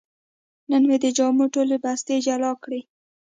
نن مې د جامو ټولې بستې جلا کړې.